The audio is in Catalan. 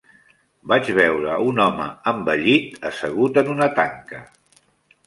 Vaig veure un home envellit, assegut en una tanca.